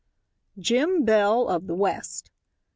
JIM BELL OF THE WEST.